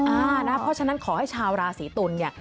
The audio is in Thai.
อ่านะครับเพราะฉะนั้นขอให้ชาวราศีตุลเนี่ย